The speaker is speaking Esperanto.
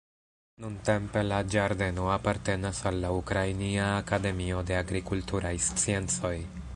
Nuntempe la ĝardeno apartenas al la Ukrainia Akademio de Agrikulturaj Sciencoj.